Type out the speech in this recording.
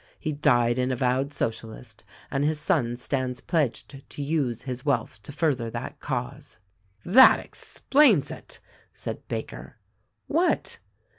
He died an avowed Socialist, and his son stands pledged to use his wealth to further that cause." "That explains it !" said Baker. "What?"